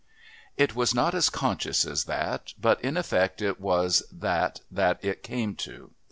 It was not as conscious as that, but in effect it was that that it came to.